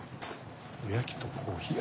おやきとコーヒー。